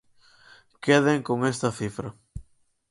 Queden con esta cifra.